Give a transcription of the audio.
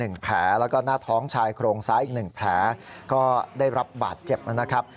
แผลแล้วก็หน้าท้องชายโครงซ้ายอีกหนึ่งแผลก็ได้รับบาดเจ็บนะครับ